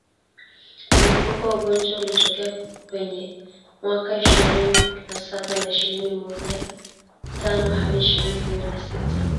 Mlipuko wa ugonjwa ulitokea Kenya mwaka ishirini na saba na ishirini mojatanohadi ishirini kumi na sita